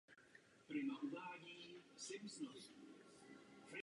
Změna klimatu má přímý dopad na zemědělství.